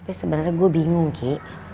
tapi sebenarnya gue bingung ki